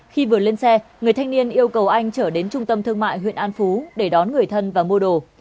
khi vừa lên xe người thanh niên yêu cầu anh trở đến trung tâm thương mại huyện an phú để đón người thân và mua đồ